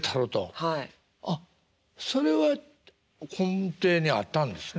あっそれは根底にあったんですね。